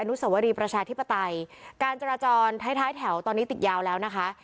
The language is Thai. นุสวรีประชาธิปไตยการจราจรท้ายท้ายแถวตอนนี้ติดยาวแล้วนะคะ